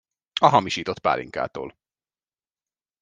A hamisított pálinkától.